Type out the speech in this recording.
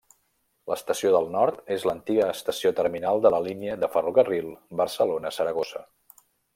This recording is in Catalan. L'estació del Nord és l'antiga estació terminal de la línia de ferrocarril Barcelona-Saragossa.